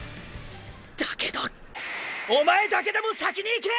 だけどおまえだけでも先に行け！！